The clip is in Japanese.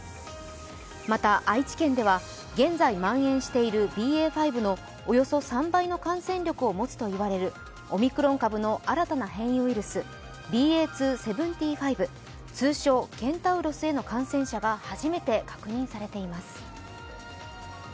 また愛知県では現在まん延しているＢＡ．５のおよそ３倍の感染力を持つといわれるオミクロン株の新たな変異ウイルス、ＢＡ．２．７５、通称ケンタウロスへの感染者が初めて確認されています。